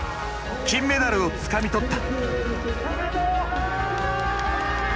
金メダルをつかみ取った。